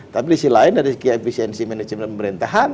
tapi di sisi lain dari segi efisiensi manajemen pemerintahan